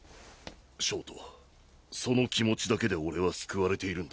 焦凍その気持ちだけで俺は救われているんだ。